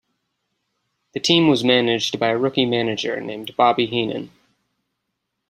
The team was managed by a rookie manager named Bobby Heenan.